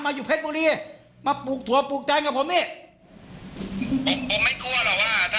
อยู่เพชรบุรีมาปลูกถั่วปลูกใจกับผมนี่ผมไม่กลัวหรอกว่าถ้า